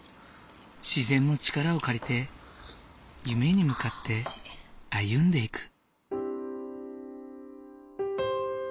自然の力を借りて夢に向かって歩んでいく。